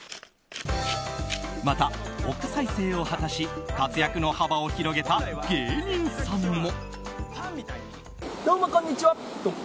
また、億再生を果たし活躍の幅を広げた芸人さんも。